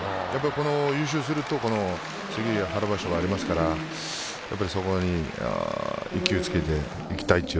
優勝すると次、春場所がありますからそこに勢いをつけていきたいという。